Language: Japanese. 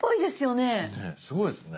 ねっすごいですね。